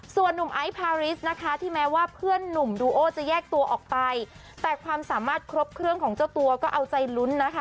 ส่วนนุ่มไอซ์พาริสนะคะที่แม้ว่าเพื่อนหนุ่มดูโอจะแยกตัวออกไปแต่ความสามารถครบเครื่องของเจ้าตัวก็เอาใจลุ้นนะคะ